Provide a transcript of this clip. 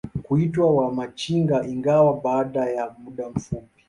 kuitwa Wamachinga ingawa baada ya muda mfupi